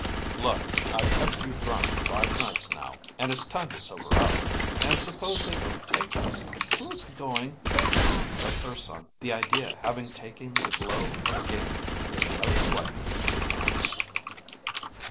"Look, I've kept you drunk five nights now, and it's time to sober up. And suppose they don't take us, who's going " But Urson, the idea having taken the glow of a game, made another swipe with his big hand.